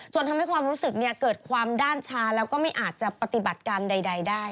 ทำให้ความรู้สึกเกิดความด้านชาแล้วก็ไม่อาจจะปฏิบัติการใดได้